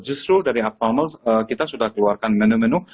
justru dari appromo kita sudah keluarkan menu menu